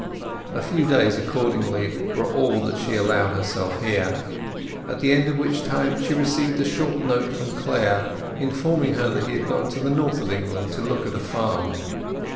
A few days, accordingly, were all that she allowed herself here, at the end of which time she received a short note from Clare, informing her that he had gone to the North of England to look at a farm.